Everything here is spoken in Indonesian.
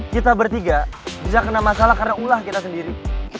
kita bertiga bisa kena masalah karena ulah kita sendiri